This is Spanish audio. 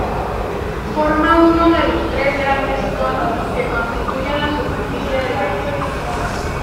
Forma uno de los tres grandes conos que constituyen la superficie de la isla.